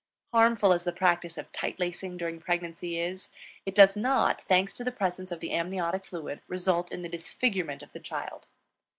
Harmful as the practice of tight lacing during pregnancy is, it does not, thanks to the presence of the amniotic fluid, result in the disfigurement of the child.